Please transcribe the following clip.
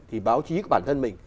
thì báo chí bản thân mình